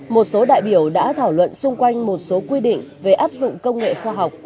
một số đại biểu đã thảo luận xung quanh một số quy định về áp dụng công nghệ khoa học